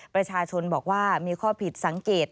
ประชาชนบอกว่ามีข้อผิดสังเกต